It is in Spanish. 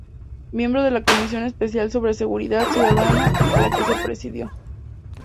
Miembro de la Comisión Especial sobre Seguridad Ciudadana, la que presidió.